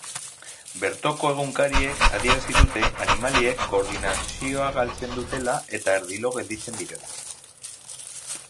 Bertoko egunkariek adierazi dute animaliek koordinazioa galtzen dutela eta erdi lo gelditzen direla.